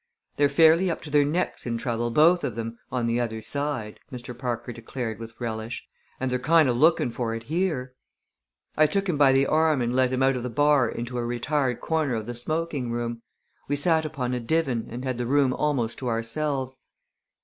"They're fairly up to their necks in trouble, both of them, on the other side," Mr. Parker declared with relish; "and they're kind o' looking for it here." I took him by the arm and led him out of the bar into a retired corner of the smoking room. We sat upon a divan and had the room almost to ourselves.